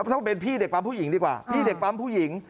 ต้องเป็นพี่เด็กปั๊มผู้หญิงดีกว่าพี่เด็กปั๊มผู้หญิง